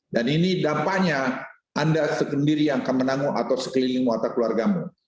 dan ini dampaknya anda segendiri yang kemenangu atau sekeliling muatak keluarga mu